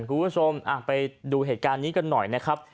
คุณผู้ชมไปดูเหตุการณ์นี้กันหน่อยนะครับ